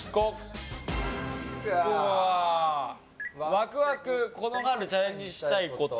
ワクワクこの春チャレンジしたいこと。